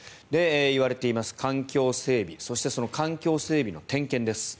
言われています環境整備そしてその環境整備の点検です。